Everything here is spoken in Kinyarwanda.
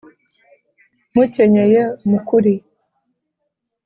Mukenyeye mukuri .